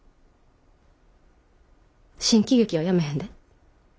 新喜劇は辞めへんで。